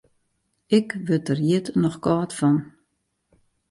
Ik wurd der hjit noch kâld fan.